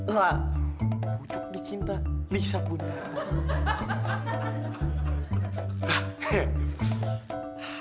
nah bujuk dicinta lisa butuh